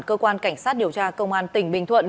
cơ quan cảnh sát điều tra công an tỉnh bình thuận